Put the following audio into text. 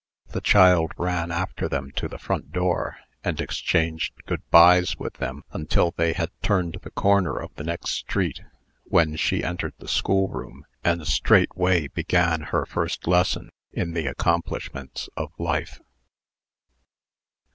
The child ran after them to the front door, and exchanged good bys with them until they had turned the corner of the next street, when she entered the schoolroom, and straightway began her first lesson in the accomplishments of life.